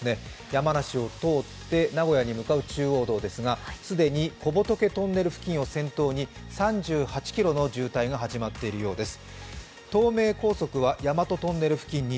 山梨を通って名古屋に向かう中央道ですが既に小仏トンネル付近を中心に３８ｋｍの渋滞が始まっているようです。